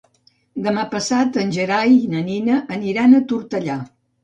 Demà passat en Gerai i na Nina aniran a Tortellà.